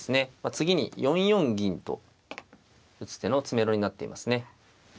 次に４四銀と打つ手の詰めろになっていますね。